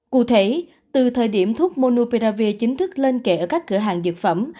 cụ thể từ thời điểm thuốc monophravi chính thức lên kệ ở các cửa hàng dược phẩm